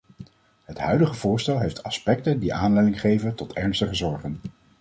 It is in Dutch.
Het huidige voorstel heeft aspecten die aanleiding geven tot ernstige zorgen.